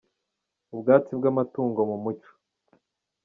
ubwatsi bw’amatungo mu muco.